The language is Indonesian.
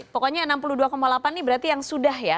pokoknya enam puluh dua delapan ini berarti yang sudah ya